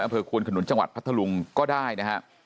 อำเภอควนขนุนจังหวัดพัทธลุงก็ได้นะฮะ